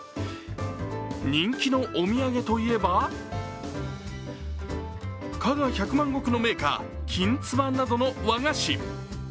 人気のお土産といえば加賀百万石の銘菓きんつばなどのお菓子。